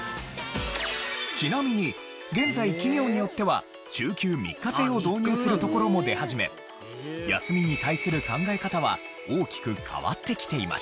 ちなみに現在企業によっては週休３日制を導入するところも出始め休みに対する考え方は大きく変わってきています。